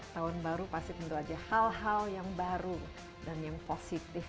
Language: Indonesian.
tahun baru pasti tentu saja hal hal yang baru dan yang positif